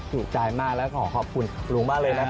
ถูกใจมากแล้วขอขอบคุณลุงมากเลยนะครับ